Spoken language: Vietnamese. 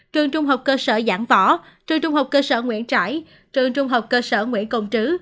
trường trung học cơ sở giảng võ trường trung học cơ sở nguyễn trãi trường trung học cơ sở nguyễn công trứ